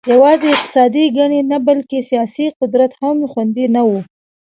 یوازې اقتصادي ګټې نه بلکې سیاسي قدرت هم خوندي نه و